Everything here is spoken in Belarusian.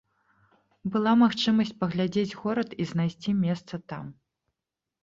Была магчымасць паглядзець горад і знайсці месца там.